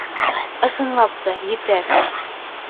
Ысынлап та, етәр.